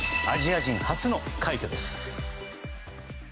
アジア人初の快挙です。